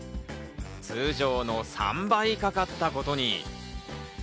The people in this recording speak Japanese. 通常の３倍かかったことに。